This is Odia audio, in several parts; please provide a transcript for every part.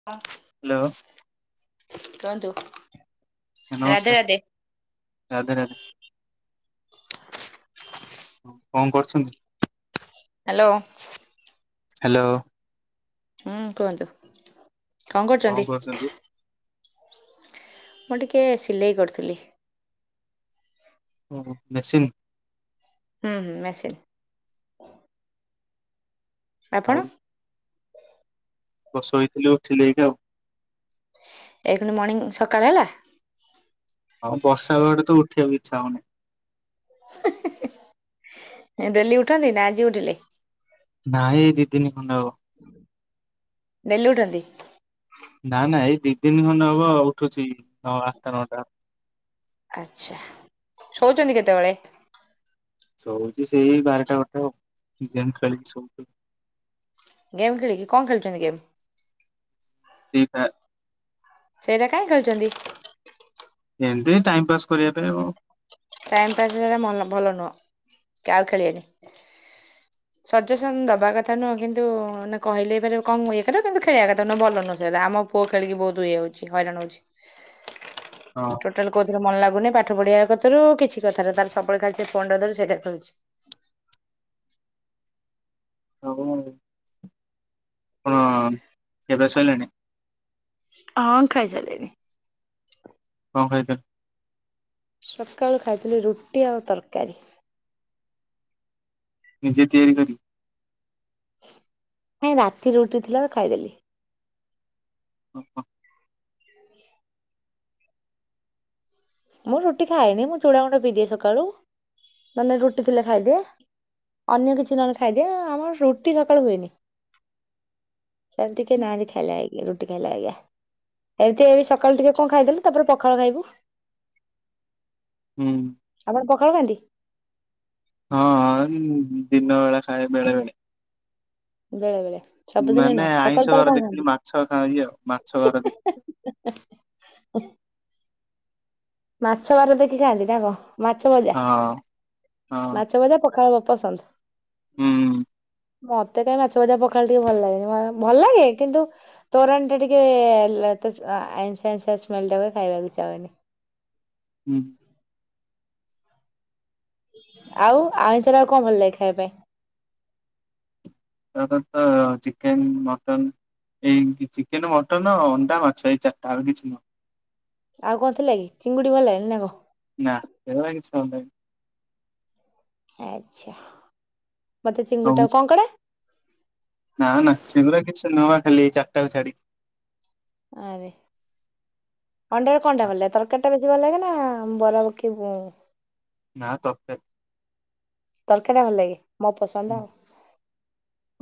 [unintelligible] ହାଲୋ। କୁହନ୍ତୁ। ଆଜ୍ଞା ରାଧେ ନମସ୍କାର, ରାଧେ ରାଧେ ରାଧେ। କଣ କରୁଛନ୍ତି? ହାଲୋ। ହାଲୋ। ହୁଁ, କୁହନ୍ତୁ? କଣ କରୁଛନ୍ତି? ମୁଁ ଟିକେ ସିଲେଇ କରୁଥିଲି। ଓହୋ, ମେସିନ୍? ହୁଁ, ହୁଁ ମେସିନ୍। ଆପଣ? ବସ ଶୋଇଥିଲି, ଉଠିଲି ଏଇଠି ଆଉ। ଏଇ ଖୁଣି ମର୍ଣ୍ଣିଂ, ସକାଳ ହେଲା? ହଁ, ବର୍ଷା ପାଗଟା ତ ଉଠିବାକୁ ଇଛା ହଉନି। ଡେଲି ଉଠନ୍ତି ନା ଆଜି ଉଠିଲେ? ନାଇଁ ଦିଦିନି ଖଣ୍ଡେ ହବ। ଡେଲି ଉଠନ୍ତି? ନା ନା ଏଇ ଦି ଦିନି ଖଣ୍ଡେ ହବ ଉଠୁଛି ନଅ, ଆଠଟା, ନଅଟା। ଆଚ୍ଛା, ଶୋଉଛନ୍ତି କେତେବେଳେ? ଶୋଉଛି ସେଇ ବାରଟା, ଗୋଟେ ଆଉ ଗେମ୍ ଖେଳିକି ସବୁଦିନ ଗେମ୍ ଖେଳିକି, କଣ ଖେଳୁଛନ୍ତି ଗେମ୍? ଫ୍ରୀ ଫାର। ସେଇଟା କାଇଁ ଖେଳୁଛନ୍ତି? ଏମତି ଟାଇମ ପାସ୍ କରିବା ପାଇଁ ଆଉ। ଟାଇମ ପାସ୍ ହେଲେ ମନ ଭଲ ନୁହଁ କି ଆଉ ଖେଳିବେନି। ସଜେସନ ଦବା କଥା ନୁହଁ। କିନ୍ତୁ ମାନେ କହିଲେ ଏ କଣ ଇଏ କିନ୍ତୁ ଖେଳିବା କଥା ନୁହଁ ଭଲ ନୁହୁଁ ସେଇଟା। ଆମ ପୁଅ ଖେଳିକି ବହୁତ ଇଏହଉଛି ହଇରାଣ ହଉଛି। ହଁ। ଟୋଟାଲ କଉଥିରେ ମନ ଲାଗୁନି। ପାଠ ପଢିବା କଥାରୁ କିଛି କଥାରେ ତା ସବୁବେଳେ ଖାଲି ସେ ଫୋନଟା ଧରୁଚି ସେଇଟାରେ ଖେଳୁଛି। ହଉ ଆପଣ, ଖିଆ ପିଆ ସଇଲାଣି? ହଁ, ଖାଇସାଇଲିଣି। କଣ ଖାଇଚ? ସକାଳୁ ଖାଇଥିଲି ରୁଟି ଆଉ ତରକାରୀ। ନିଜେ ତିଆରି କରି ନାଇଁ, ରାତି ରୁଟି ଥିଲା ତ ଖାଇଦେଲି। ଓହୋ। ମୁଁ ରୁଟି ଖାଏନି। ମୁଁ ଚୂଡ଼ା ଗୁଣ୍ଡ ପିଇଦିଏ ସକାଳୁ। ନହେଲେ ରୁଟି ଥିଲେ ଖାଇଦିଏ। ଅନ୍ୟ କିଛି ନହେଲେ ଖାଇଦିଏ। ଆମର ରୁଟି ସକାଳୁ ହୁଏନି। ଏମିତି କେହି ନାହାନ୍ତି ଖାଇବାଲାଗି। ରୁଟି ଖାଇଲା ଭଳିଆ। ଏମତି ଏ ସକାଳୁ ଟିକେ କଣ ଖାଇଦେଲୁ, ତାପରେ ପଖାଳ ଖାଇବୁ। ହୁଁ। ଆପଣ ପଖାଳ ଖାଆନ୍ତି? ହଁଁ, ଦିନ ବେଳା ଖାଏ ବେଳେ ବେଳେ। ବେଳେବେଳେ, ସବୁଦିନ ମାନେ ନୁହଁ। ଆଇଁଷ ସକାଳୁ ତାହେଲେ ବାର କଣ ଦେଖିକି ଖାଆନ୍ତି? ମାଛ ଖା ଇଏ ମା [unintelligible] ଛଘର ମାଛ ବାର ଦେଖିକି ଖାଆନ୍ତି ନା କଣ? ମାଛ ଭଜା ହଁ ହଁ ମାଛ ଭଜା ପଖାଳ ପସନ୍ଦ। ହୁଁ। ମତେ କାଇଁ ମାଛ ଭଜା, ପଖା ଟିକେ ଭଲ ଲାଗେନି ଭଲ ଲାଗେ କିନ୍ତୁ ତୋରାଣ ଟା ଟିକେ ଲ-ତ-ଆ ଆଇଁଷି ଆଇଁଷି ସ୍ମେଲ ଦବ ଖାଇବାକୁ ଇଚ୍ଛା ହେବନି। ହୁଁ ଆଉ ଆଇଚର ଆଉ କଣ ଭଲ ଲାଗେ ଖାଇବା ପାଇଁ? ତାଙ୍କର ତ ଚିକେନ, ମଟନ୍ ଏଇ ଚିକେନ, ମଟନ, ଅଣ୍ଡା, ମାଛ ଏଇ ଚାରିଟା ଆଉ କିଛି ନୁହଁ। ଆଉ କଣ ଥିଲା କି ଚିଙ୍ଗୁଡି ଭଲ ଲାଗିଲା, ନା କଣ? ନା ସଗୁରା କିଛି ଭଲାଗେ ଆଚ୍ଛା ମତେ ହଉ ଚିଙ୍ଗୁଡିଟା କଣ କରେ? ନା ନା ସେଗୁରାକ କିଛି ନୁହଁ ଖାଲି ଏ ଚାରିଟାକୁ ଛାଡିକି। ଆରେ ଅଣ୍ଡାରେ କଣ ଭଲଲାଗେ ତରକାରୀ ବେ [unintelligible] ନାଁ ତକାରୀ। ତରକାରୀ ଟା ଭଲ ଲାଗେ, ମୋ ପସନ୍ଦ ହୁଁ। ଆଉ।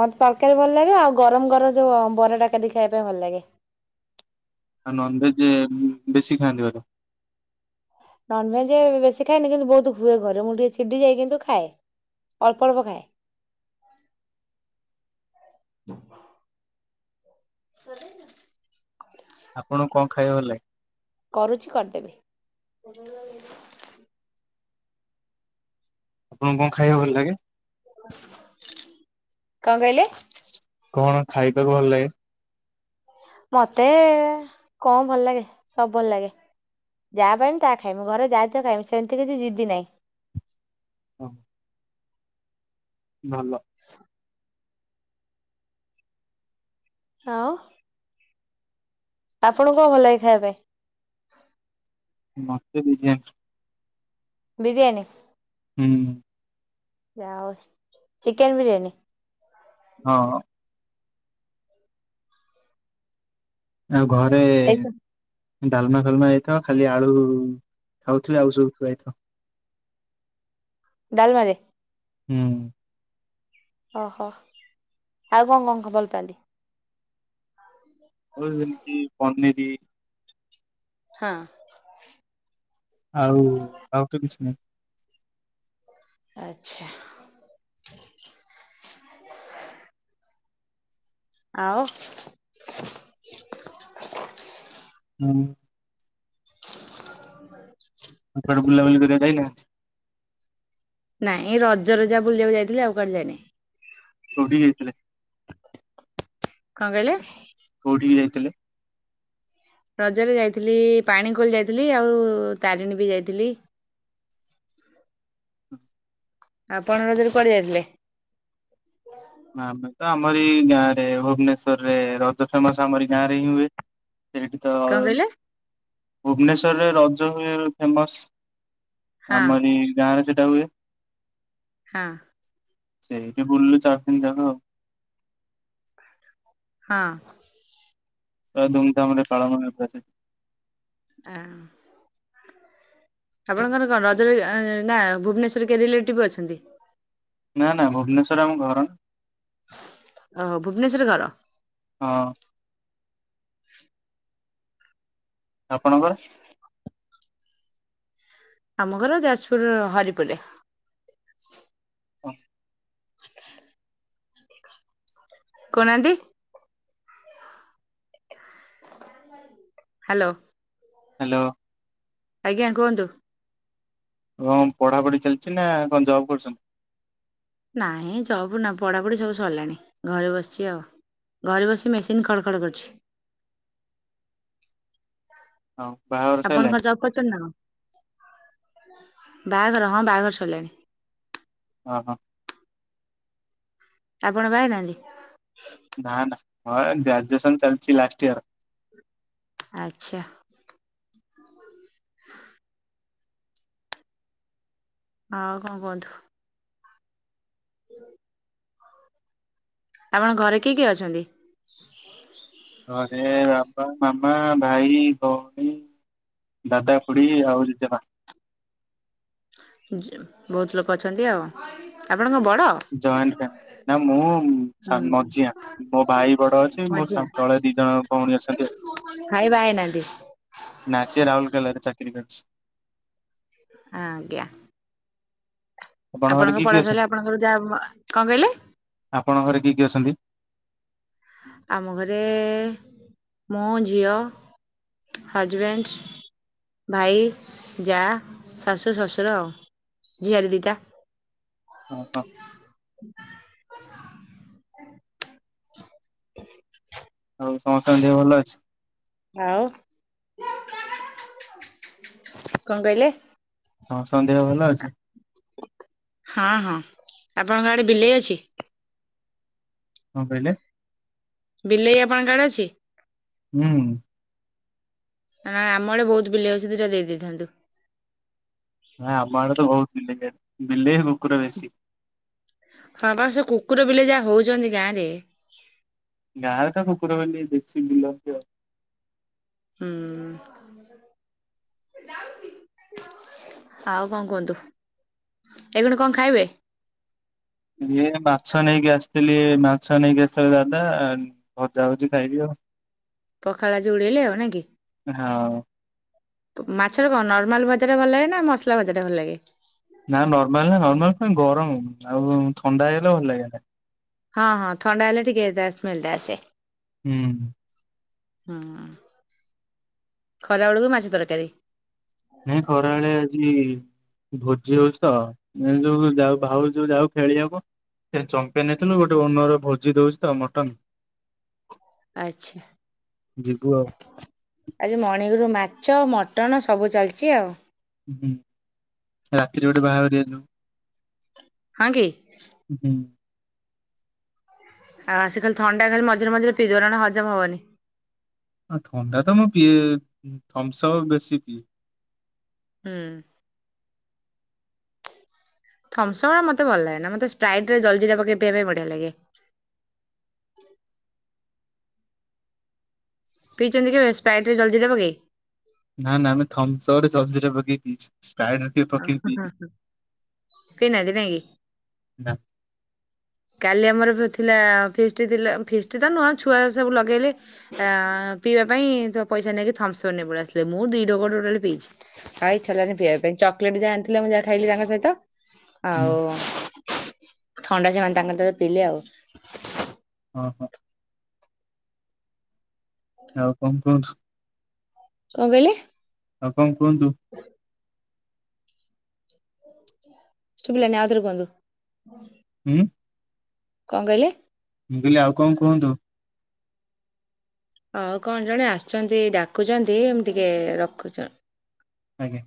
ମତେ ତରକାରୀ ଭଲ ଲାଗେ ଆଉ ଗରମ ଗରମ ଯୋଉ ବରାଟା ଖାଲି ଖାଇବା ପାଇଁ ଭଲ ଲାଗେ। ଆଉ ନନଭେଜ ବେ-ବେଶୀ ଖାଆନ୍ତି ମ୍ୟାଡାମ। ନନଭେଜ୍ ବେଶୀ ଖାଏନି କିନ୍ତୁ ବହୁତ ହୁଏ ଘରେ ମୁଁ ଟିକେ ଚିଡି ଯାଏ, କିନ୍ତୁ ଖାଏ। ଅଳ୍ପ ଅଳ୍ପ ଖାଏ। [unintelligible] ଆପଣକୁ କଣ ଖାଇବା ଭଲ ଲାଗେ? କରୁଚି କରିଦେବି। ଆପଣଙ୍କୁ କଣ ଖାଇବା ଭଲ ଲାଗେ? କଣ କହିଲେ? କଣ ଖାଇବାକୁ ଭଲ ଲାଗେ? ମତେ କଣ ଭଲ ଲାଗେ, ସବ ଭଲ ଲାଗେ। ଯାହା ପାଇବି ତା ଖାଇମି, ଘରେ ଯାହାହେଇଥିବ ତା ଖାଇମି ସେମତି କିଛି ଜିଦି ନାହିଁ। ହଁ ଭଲ। ଆଉ ଆପଣଙ୍କୁ କଣ ଭଲ ଲାଗେ ଖାଇବା ପାଇଁ? ମତେ ବିରିୟାନୀ। ବିରିୟାନୀ ହୁଁ ଯାଆଉ ଚିକେନ ବିରିୟାନୀ। ହଁ ଆଉ ଘରେ ଏଇ ଡାମା ଫାଲମା ହେଇଥବ ଖାଲି ଆଳୁ ଖାଉଥୁବି, ଆଉ ସବୁ ଥୁଆ ହୋଇଥିବ। ଡାଲମାରେ? ହୁଁ। ଅ ହୋ ଆଉ କଣ କଣ ଭଲପନ୍ତି? ଆଉ ଏମିତି ପନିରି ହଁ ଆଉ ଆଉ ତ କିଛି ନହିଁ। ଆଛା। ଆଉ? ମାନେ? [unintelligible] ଆଉ କୁଆଡ଼େ ବୁଲାବୁଲି କରିବାକୁ ଯାଇନା? ନାଇଁ ଏଇ ରଜରେ ଯାହା ବୁଲିବାକୁ ଯାଇଥିଲି, ଆଉ କୁଆଡ଼େ ଯାଇନି। କୋଉଠିକି ଯାଇଥିଲେ? କଣ କହିଲେ? କୋଉଠିକି ଯାଇଥିଲେ? ରଜରେ ଯାଇଥିଲି ପାଣିିକୋଇଲି ଯାଇଥିଲି ଆଉ ତାରିଣୀ ବି ଯାଇଥିଲି। ଆପଣ ରଜରେ କୁଆଡ଼େ ଯାଇଥିଲେ? ଆମେ ତ ଆମରି ଗାଁରେ ଭୁବନେଶ୍ଵରରେ ରଜ ଫେମସ ଆମରି ଗାଁ ରେ ହିଁ ହୁଏ। ସେଇଠି ତ କଣ କହିଲେ ଭୁବନେଶ୍ଵରରେ ରଜ ହୁଏ ଫେମସ। ହଁ ଆମରି ଗାଁରେ ସେଟା ହୁଏ। ହଁ। ସେଇଟି ବୁଲିଲୁ ଚାରଦିନ ଯାକ ଆଉ। ହଁ। ତ ଧୁମଧାମରେ ପାଳନ [unintelligible] ଆ। ଆପଣଙ୍କର କଣ ରଜରେ [unintelligible] ନା ଭୁବନେଶ୍ୱର କିଏ ରିଲେଟିଭ୍ ଅଛନ୍ତି। ନା ନା ଭୁବନେସ୍ୱରରେ ଆମ ଘର ନା। ଓହୋ ଭୁବନେସ୍ୱରରେ ଘର? ହଁ। ଆପଣଙ୍କର? ଆମ ଘର ଯାଜପୁରର ହରିପୁରରେ। ଓ। କହୁ ନାହାଁନ୍ତି। ହାଲୋ। ହାଲୋ। ଆଜ୍ଞା କୁହନ୍ତୁ। ହଁ ପଢାପଢି ଚାଲିଛି ନା କଣ ଜବ୍ କରୁଛନ୍ତି? ନାଇଁ ଜବ ନୁହଁ ପଢ଼ାପଢ଼ି ସବୁ ସରିଲାଣି ଘରେ ବସିଚି ଆଉ। ଘରେ ବସି ମେସିନ୍ ଖଡ଼ ଖଡ଼ କରୁଛି। ଆଉ। ଆପଣଙ୍କ କଣ ଜବ୍ କରିଛନ୍ତି ନା କଣ, ବାହାଘର ହଁ ବାହାଘର ସରିଲାଣି। ଅହ। ଆପଣ ବାହା ହେଇନାହାନ୍ତି? ନା ନା ମୋର ଗ୍ରାଜୁଏସନ୍ ଚାଲିଚି ଲାଷ୍ଟ ଇୟର୍। ଆଚ୍ଛା। ଆଉ କଣ କୁହନ୍ତୁ। ଆପଣଙ୍କ ଘରେ କିଏ କିଏ ଅଛନ୍ତି? ଘରେ ବାପା, ମାମା, ଭାଇ, ଭଉଣୀ ଦାଦା, ଖୁଡ଼ି ଆଉ ଜେଜେବାପା। ଜ ବୋହୁତ୍ ଲୋକ ଅଛନ୍ତି ଆଉ, ଆପଣ କଣ ବଡ଼? ଜଏଣ୍ଟ ଫ୍ୟାମିଲି ନା ମୁଁ ହୁଁ ସା ମଝିଆଁ ମୋ ଭାଇ ବଡ଼ ଅଛି ମୋ ମଝିଆ ସ ତଳେ ଦି ଜଣ ଭଉଣୀ ଅଛନ୍ତି ଆଉ। ଭାଇ ବାହାହେଇନାହାନ୍ତି? ନା ସିଏ ରାଉଲକେଲାରେ ଚାକିରି କରିଛି। ଆଜ୍ଞା। ଘରେ ଆପଣଙ୍କ କିଏ କିଏ ପଢ଼ା ଅଛନ୍ତି? ସଇଲେ ଆପଣଙ୍କର ଯାହା, କଣ କହିଲେ? ଆପଣଙ୍କ ଘରେ କିଏ କିଏ ଅଛନ୍ତି? ଆମ ଘରେ ମୁଁ, ଝିଅ ହଜ୍ ବେଣ୍ଟ ଭାଇ, ଯା, ଶାଶୁ, ଶଶୁର ଆଉ, ଝିଆରି ଦିଇଟା। ଓହୋ। ଆଉ ସମସ୍ତଙ୍କ ଦେହ ଭଲ ଅଛି? ଆଉ, [unintelligible] କଣ କହିଲେ? ସମସ୍ତଙ୍କ ଦେହ ଭଲ ଅଛି? ହଁ, ହଁ, ଆପଣଙ୍କ ଆଡେ ବିଲେଇ ଅଛି? କଣ କହିଲେ? ବିଲେଇ ଆପଣଙ୍କ ଆଡ଼େ ଅଛି? ହୁଁ। ଏ ନାଁ ଆମ ଆଡ଼େ ବହୁତ୍ ବିଲେଇ ଅଛି ଦିଇଟା ଦେଇଦେଇଥାନ୍ତୁ। ନାଇଁ ଆମ ଆଡ଼େ ତ ବହୁତ୍ ବିଲେଇ, ବିଲେଇ ଆଉ କୁକୁର ବେଶୀ। ହଁ ପା ସେ କୁକୁର ବିଲେଇ ଯାହା ହଉଛନ୍ତି ଗାଁରେ। ଗାଁରେ ତ କୁକୁର ବିଲେଇ ବେଶୀ ବୁଲନ୍ତି ଆଉ। ହୁଁ। [unintelligible] ଆଉ କଣ କୁହନ୍ତୁ? ଏଗୁଣ କଣ ଖାଇବେ? ଇଏ ମାଛ ନେଇକି ଆସିଥିଲି, ମାଛ ନେଇକି ଆସିଥିଲେ ଦାଦା ଆଣ୍ଡ ଭଜା ହଉଛି ଖାଇବି ଆଉ। ପଖାଳ ଆଜି ଉଡେଇଲେ ଆଉ ନାଁ କି? ହଁ। ମାଛର କଣ ନର୍ମାଲ ଭଜାଟା ଭଲ ଲାଗେନା ମସଲା ଭଜଟା ଭଲ ଲାଗେ? ନା ନର୍ମାଲ୍ ନା ନର୍ମାଲ୍ ଫେଣେ ଗରମ ଆଉ ଥଣ୍ଡା ହେଇଗଲେ ଭଲ ଲାଗେନା। ହଁ ହଁ ଥଣ୍ଡା ହେଲେ ଟିକେ ତା ସ୍ମେଲଟା ଆସେ। ହୁଁ। ହୁଁ, ଖରାବେଳକୁ ମାଛ ତରକାରୀ? ନାଇଁ ଖରାବେଳେ ଆଜି ଭୋଜି ହଉଛି ତ, ଏ ଯୋଉ ଯାଉ ଭାଉ ଯୋଉ ଯାଉ ଖେଳିବାକୁ ସେଟି ଚମ୍ପିୟାନ୍ ହେଇଥିନୁ ଗୋଟେ ଓନର ଭୋଜି ଦଉଛି ତ ମଟନ। ଆଚ୍ଛା। ଯିବୁ ଆଉ। ଆଜି ମଣିଙ୍ଗରୁ ମାଛ, ମଟନ ସବୁ ଚାଲିଛି ଆଉ। ହୁଁ, ରାତିରେ ଗୋଟେ ବାହାଘରିଆ ଯିବୁ। ହଁ କି? ହୁଁ। ଆଉ ଆସି ଖାଲି ଥଣ୍ଡା ଖାଲି ମଝରେ ମଝିରେ ପିଇଦବ ନହନେ ହଜମ ହବନି। ଆ ଥଣ୍ଡା ତ ମୁଁ ପିଏ, ଥମସପ୍ ବେଶୀ ପିଏ। ହୁଁ। ଥମସପ୍ ରା ମୋତେ ଭଲ ଲାଗେନା, ମୋତେ ସ୍ପ୍ରାଇଟରେ ଜଳଜିରା ପକେଇକି ପିଇବା ପାଇଁ ବଢିଆ ଲାଗେ। ପିଇଛନ୍ତି କେବେ ସ୍ପ୍ରାଇଟରେ ଜଲ୍ଜିରା ପକେଇ? ନା ନା ଆମେ ଥମ୍ସପରେ ଜଲ୍ଜିରା ପକେଇକି ପିଇଚି, ସ୍ପ୍ରାଇଟରେ [unintelligible] ପିଇ ନାହାନ୍ତି ନାଇଁକି? [unintelligible] କାଲି ଆମର ଥିଲା ଫିଷ୍ଟ ଥିଲା। ଫିଷ୍ଟତ ନୁହଁ। ଛୁଆ ସବୁ ଲଗେଇଲେ ଆ ପିଇବା ପାଇଁ ତ ପଇସା ନେଇକି ଥମସର ନ ନେଇକି ପଳେଇ ଆସ। ମୁଁ ଦି ଢୋକ ଟୋଟାଲି ପିଛି। ଆଉ ଇଚ୍ଛା ହେଲାନି ପିଇବା ପାଇଁ ଚକୋଲେଟ ଯାହା ଆଣିଥିଲେ ମୁଁ ଯାହା ଖାଇଲି ତାଙ୍କ ସହିତ। ହୁଁ ଆଉ ଥଣ୍ଡା ସେମାନେ ତାଙ୍କର ତ ପିଲେ ଆଉ। ହଁ ହଁ। ଆଉ କଣ କୁହନ୍ତୁ? କଣ କହିଲେ? ଆଉ କଣ କୁହନ୍ତୁ? ଶୁଭିଲାନି ଆଉ ଥରେ କୁହନ୍ତୁ? ହୁଁ। କଣ କହିଲେ? ମୁଁ କହିଲି ଆଉ କଣ କୁହନ୍ତୁ? ହଉ କଣ ଜଣେ ଆସଛନ୍ତି ଡାକୁଛନ୍ତି ମୁ ଟିକେ ରଖୁଛ ଆଜ୍ଞା।